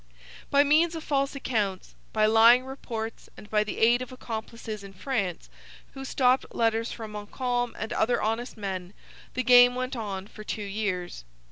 By means of false accounts, by lying reports and by the aid of accomplices in France who stopped letters from Montcalm and other honest men, the game went on for two years.